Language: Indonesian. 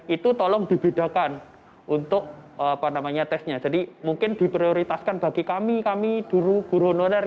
itu tolong dibedakan untuk tesnya jadi mungkin diprioritaskan bagi kami kami guru honorer